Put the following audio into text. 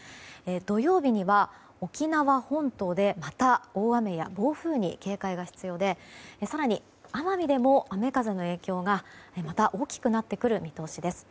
土曜日には沖縄本島でまた大雨や暴風に警戒が必要で更に、奄美でも雨風の影響が大きくなってくる見通しです。